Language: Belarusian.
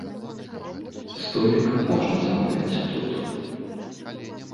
Столік можна замовіць тут.